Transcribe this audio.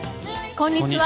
こんにちは。